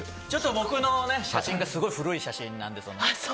僕の写真がすごい古い写真なんです。